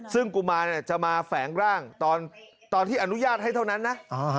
ซึ่งกุมารจะมาแฝงร่างตอนที่อนุญาตให้เท่านั้นนะ